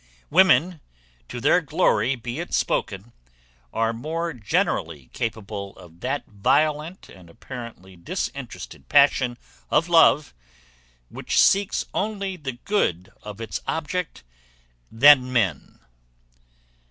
Women, to their glory be it spoken, are more generally capable of that violent and apparently disinterested passion of love, which seeks only the good of its object, than men.